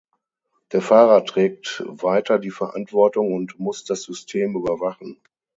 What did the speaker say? Der Fahrer trägt weiter die Verantwortung und muss das System überwachen.